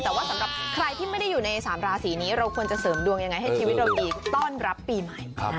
แต่ว่าสำหรับใครที่ไม่ได้อยู่ใน๓ราศีนี้เราควรจะเสริมดวงยังไงให้ชีวิตเราดีต้อนรับปีใหม่